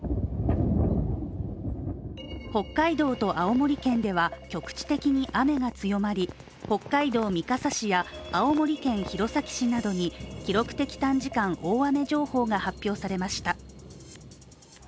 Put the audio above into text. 北海道と青森県では、局地的に雨が強まり北海道三笠市や青森県弘前市などに記録的短時間大雨情報が発表されました。